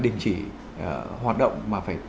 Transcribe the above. đình chỉ hoạt động mà phải